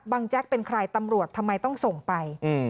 แจ๊กเป็นใครตำรวจทำไมต้องส่งไป